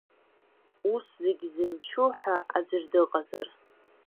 Ус зегь зымчу ҳәа аӡәыр дыҟазар.